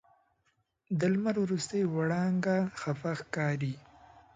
د لمر وروستۍ وړانګه خفه ښکاري